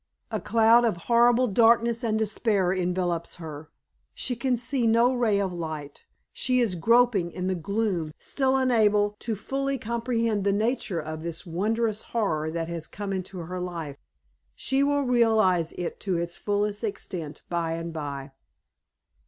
A cloud of horrible darkness and despair envelopes her; she can see no ray of light; she is groping in the gloom, still unable to fully comprehend the nature of this wondrous horror that has come into her life. She will realize it to its full extent by and by.